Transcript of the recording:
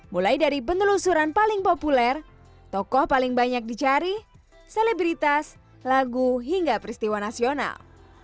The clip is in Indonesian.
mulai dari penelusuran paling populer tokoh paling banyak dicari selebritas lagu hingga peristiwa nasional